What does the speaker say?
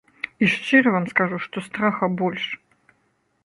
І шчыра вам скажу, што страха больш.